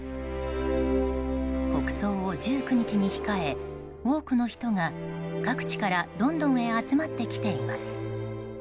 国葬を１９日に控え、多くの人が各地からロンドンへ集まってきています。